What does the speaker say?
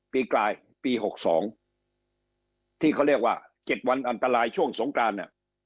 กลายปี๖๒ที่เขาเรียกว่า๗วันอันตรายช่วงสงกรานเนี่ย